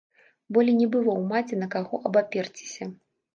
Болей не было ў маці на каго абаперціся.